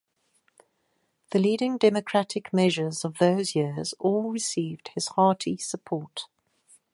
The leading Democratic measures of those years all received his hearty support.